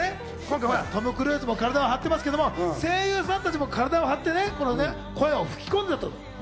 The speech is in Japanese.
トム・クルーズも体を張ってますけど、声優さんたちも体を張ってね、声を吹き込んでいたと。